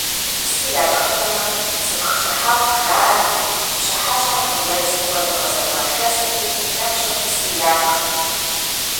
Цы япхынумэ, «цыпх щӀыхьэху» жаӀэрти, пщыхьэщхьэм хъыджэбз куэду къызэхуашэсырти, нэху щыху цы япхырт.